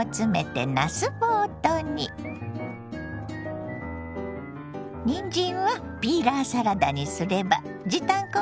にんじんはピーラーサラダにすれば時短効果もバツグン！